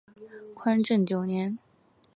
宽政九年。